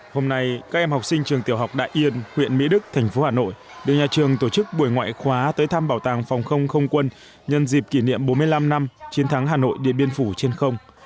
hôm nay các em học sinh trường tiểu học đại yên huyện mỹ đức thành phố hà nội được nhà trường tổ chức buổi ngoại khóa tới thăm bảo tàng phòng không không quân nhân dịp kỷ niệm bốn mươi năm năm chiến thắng hà nội điện biên phủ trên không